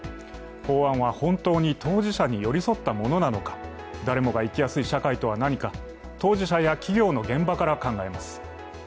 法案は本当に当事者に寄り添ったものなのか、誰もが生きやすい社会とは何か、当事者や企業の現場から考えます。